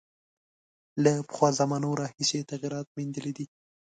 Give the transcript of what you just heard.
له پخوا زمانو راهیسې یې تغییرات میندلي دي.